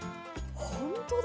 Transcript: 本当だ！